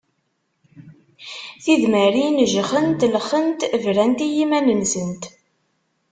Tidmarin jxent lxent brant i yiman-nsent.